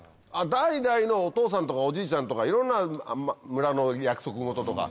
代々のお父さんとかおじいちゃんとかいろんな村の約束事とか。